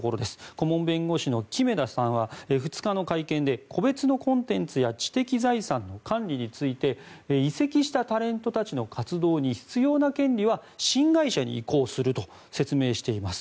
顧問弁護士の木目田さんは２日の会見で個別のコンテンツや知的財産の管理について移籍したタレントたちの活動に必要な権利は新会社に移行すると説明しています。